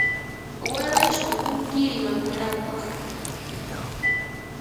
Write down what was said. waray shamunki rimakunapaq.